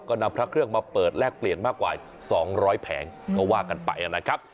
ก็นำพระเครื่องมาเปิดแลกเปลี่ยนมากกว่า๒๐๐แผงก็ว่ากันไปนะครับ